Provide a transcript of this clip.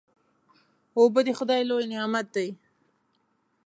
اوبه د خدای لوی نعمت دی.